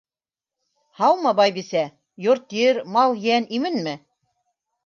— Һаумы, байбисә, йорт-ер, мал-йән именме?